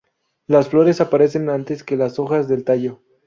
Las flores aparecen antes que las hojas del tallo.